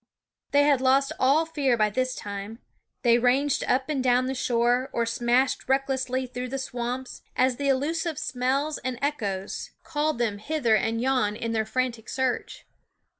They had lost all fear by this time ; they ranged up and down the SJffhe Soundof shore, or smashed recklessly through the 3&e 3rumjpef swamps, as the elusive smells and echoes called them hither and yon in their frantic search.